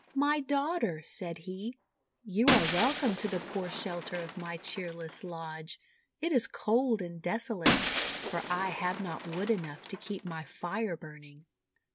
:<My daughter," said he, :'y°u are welcome to the poor shelter of my cheerless lodge! It is cold and desolate, for I have not wood enough to keep my Fire burning!